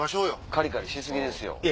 カリカリし過ぎですよ。